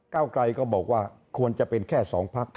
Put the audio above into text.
เก้าไกลก็บอกว่าควรจะเป็นแค่๒พัก